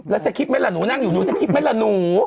แล้วสคริปตไหมล่ะหนูนั่งอยู่หนูสคริปต์ไหมล่ะหนู